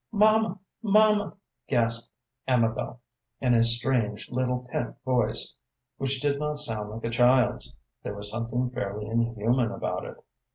"Mamma, mamma!" gasped Amabel, in a strange, little, pent voice, which did not sound like a child's. There was something fairly inhuman about it.